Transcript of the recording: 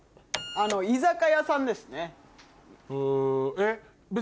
居酒屋さんですね。